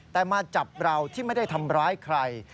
แต่มาจับเราที่ไม่ได้ทำร้ายใคร